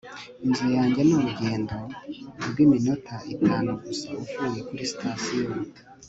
inzu yanjye ni urugendo rw'iminota itanu gusa uvuye kuri sitasiyo